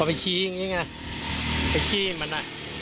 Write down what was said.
พอไปชี้อย่างงี้ไงไปจี้มัน